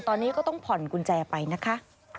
ตอนนี้ก็ต้องผ่อนกุญแจไปนะคะ